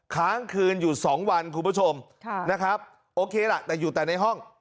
ค้างคืนอยู่สองวันคุณผู้ชมนะครับโอเคล่ะแต่อยู่แต่ในห้อง